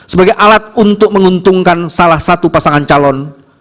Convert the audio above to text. sebagai alat untuk menguntungkan salah satu pasangan calon